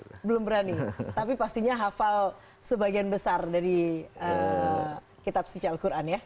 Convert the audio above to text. belum berani tapi pastinya hafal sebagian besar dari kitab suci al quran ya